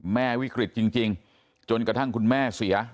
วิกฤตจริงจนกระทั่งคุณแม่เสีย